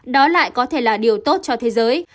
đó lại có thể là điều tốt cho thế giới